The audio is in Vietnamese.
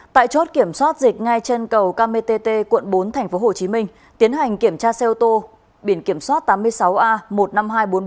tại chốt kiểm soát dịch ngay trên cầu ket quận bốn tp hcm tiến hành kiểm tra xe ô tô biển kiểm soát tám mươi sáu a một mươi năm nghìn hai trăm bốn mươi năm